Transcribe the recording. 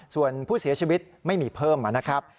ส่วนผู้เสียชีวิตไม่มีเพิ่มนะครับ